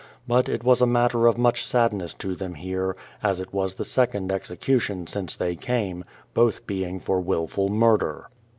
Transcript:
But it was a matter of much sadness to them here, as it was the second execution since they came, — both being for wilful murder.